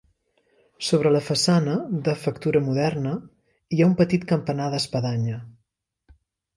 Sobre la façana, de factura moderna, hi ha un petit campanar d'espadanya.